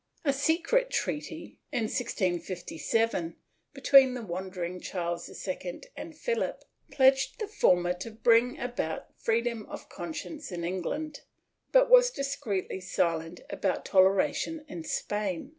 A secret treaty, in 1656, between the wandering Charles II and Philip, pledged the former to bring about freedom of con science in England, but was discreetly silent about toleration in Spain.